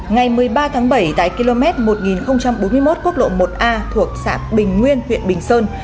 ngày một mươi ba tháng bảy tại km một nghìn bốn mươi một quốc lộ một a thuộc xã bình nguyên huyện bình sơn